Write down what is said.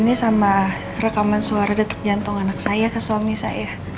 ini sama rekaman suara detik jantung anak saya ke suami saya